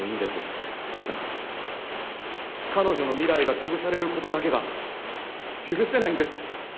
ただ彼女の未来がつぶされることだけが許せないんです。